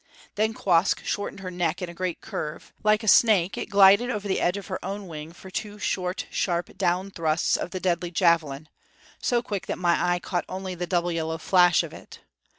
Then Quoskh shortened her neck in a great curve. Like a snake it glided over the edge of her own wing for two short, sharp down thrusts of the deadly javelin so quick that my eye caught only the double yellow flash of it.